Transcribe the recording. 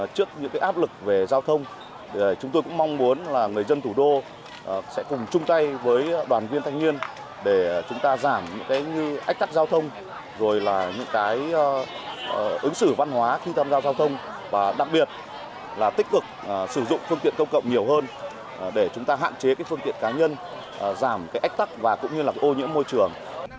sử dụng phương tiện công cộng nhiều hơn để chúng ta hạn chế phương tiện cá nhân giảm ếch tắc và ô nhiễm môi trường